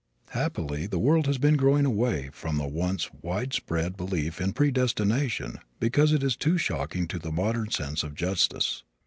Happily the world has long been growing away from the once wide spread belief in predestination because it is too shocking to the modern sense of justice.